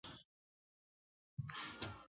د ماشوم تعلیم ټولنیز نابرابري کموي.